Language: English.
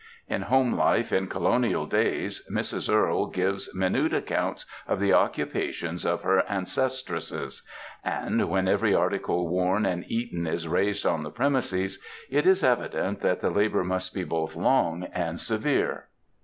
In Home Life in Colonial Days^^ Mrs. Earle gives minute accounts of the occupations of her ancestresses ; and when every article worn and eaten is raised on the premises, it is evident that the laboiur must be both long and severe.